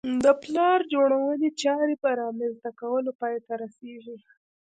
د پلان جوړونې چارې په رامنځته کولو پای ته رسېږي